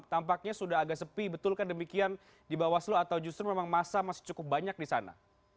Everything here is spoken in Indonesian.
tampaknya sudah agak sepi betul kan demikian di bawah seluruh atau justru memang masa masih cukup banyak di sana